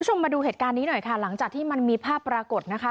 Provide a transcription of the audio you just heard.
คุณผู้ชมมาดูเหตุการณ์นี้หน่อยค่ะหลังจากที่มันมีภาพปรากฏนะคะ